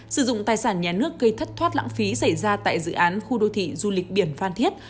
sử dụng tài sản nhà nước gây thất thoát lãng phí xảy ra tại dự án khu đô thị du lịch biển phan thiết